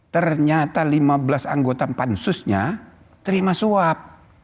ternyata lima belas anggota pansusnya terima suap